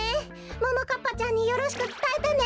ももかっぱちゃんによろしくつたえてね。